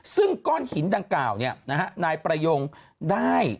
ซึ่งก้อนหินดังกล่าวนายประยงได้